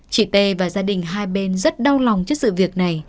chị p và gia đình hai bên rất đau lòng trước sự việc này